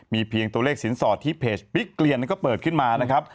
เพียงตัวเลขสินสอดที่เพจบิ๊กเกลียนก็เปิดขึ้นมานะครับ